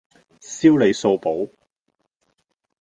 燒你數簿